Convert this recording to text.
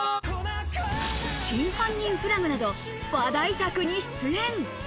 『真犯人フラグ』など話題作に出演。